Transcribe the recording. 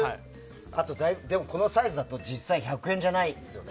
でもこのサイズだと実際、１００円じゃないですね。